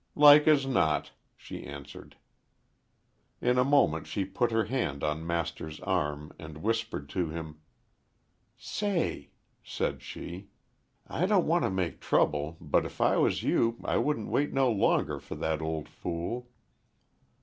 "Like as not," she answered. In a moment she put her hand on Master's arm and whispered to him. "Say!" said she, "I don't want to make trouble, but if I was you I wouldn't wait no longer for that old fool."